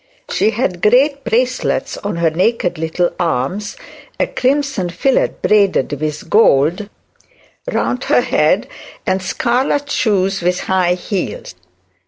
She had great bracelets on her naked little arms, a crimson fillet braided with gold round her head, and scarlet shoes with high heels.